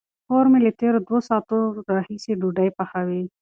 خور مې له تېرو دوو ساعتونو راهیسې ډوډۍ پخوي.